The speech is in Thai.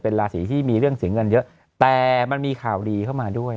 ราศีที่มีเรื่องเสียเงินเยอะแต่มันมีข่าวดีเข้ามาด้วย